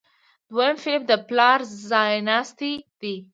دویم فلیپ د پلار ځایناستی شو.